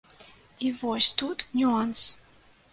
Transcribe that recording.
І вось тут нюанс.